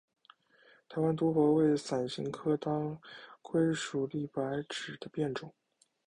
台湾独活为伞形科当归属祁白芷的变种。